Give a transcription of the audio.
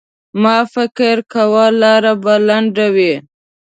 ما فکر کاوه لاره به لنډه وي.